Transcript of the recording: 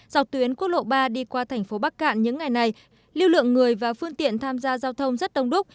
dọc tuyến quốc lộ ba đi qua thành phố bắc cạn những ngày này lưu lượng người và phương tiện tham gia giao thông rất đông đúc